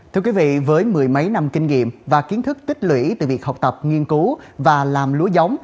thưa quý vị với mười mấy năm kinh nghiệm và kiến thức tích lũy từ việc học tập nghiên cứu và làm lúa giống